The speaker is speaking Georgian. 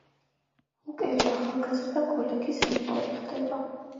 ჰუკერი ახალგაზრდა კოლეგის მენტორი ხდება.